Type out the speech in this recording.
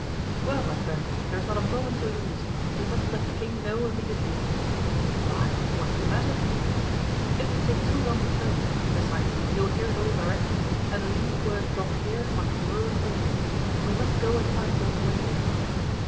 "Well, my friend, there is not a moment to lose; we must let the king know immediately." "Why, what is the matter?" "It would take too long to tell you, besides, you will hear it all directly and the least word dropped here might ruin all. We must go and find Lord Winter."